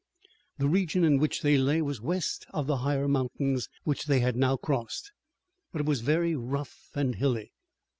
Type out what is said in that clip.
The region in which they lay was west of the higher mountains, which they had now crossed, but it was very rough and hilly.